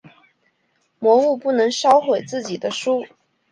魔物不能烧毁自己的书。